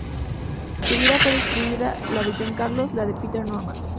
Su vida fue destruida, la de John Carlos, la de Peter Norman.